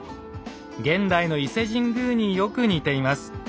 現代の伊勢神宮によく似ています。